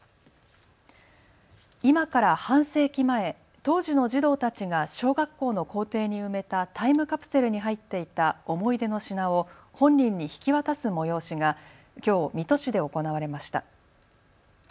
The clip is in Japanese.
今から半世紀前、当時の児童たちが小学校の校庭に埋めたタイムカプセルに入っていた思い出の品を本人に引き渡す催しがきょう水戸市で行われました。